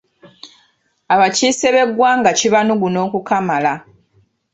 Abakiise b’eggwanga kibanuguna okukamala.